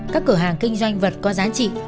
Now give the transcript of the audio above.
các cửa hàng kinh doanh vật có giá trị